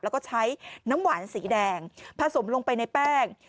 แล้วก็ใช้น้ำหวานสีแดงผสมลงไปในแป้ง